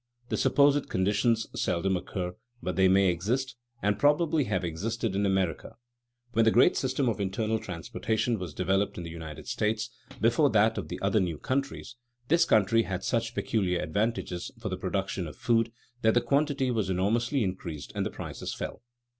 The supposed conditions seldom occur, but they may exist, and probably have existed in America. When the great system of internal transportation was developed in the United States before that of the other new countries, this country had such peculiar advantages for the production of food that the quantity was enormously increased and the prices fell.